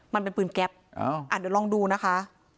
มันเป็นปืนแก๊ปเดี๋ยวลองดูนะคะ